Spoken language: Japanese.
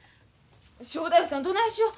正太夫さんどないしよう？